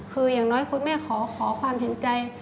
คืออย่างน้อยคุณแม่ขอความเห็นใจ